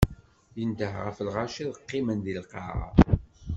Indeh ɣef lɣaci ad qqimen di lqaɛa.